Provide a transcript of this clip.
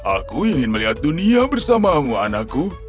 aku ingin melihat dunia bersamamu anakku